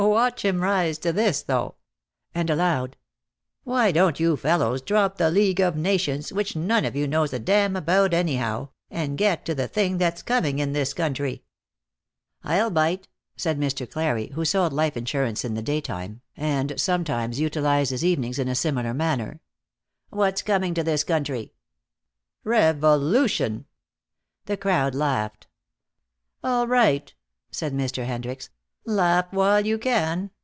"Watch him rise to this, though." And aloud: "Why don't you fellows drop the League of Nations, which none of you knows a damn about anyhow, and get to the thing that's coming in this country?" "I'll bite," said Mr. Clarey, who sold life insurance in the daytime and sometimes utilized his evenings in a similar manner. "What's coming to this country?" "Revolution." The crowd laughed. "All right," said Mr. Hendricks. "Laugh while you can.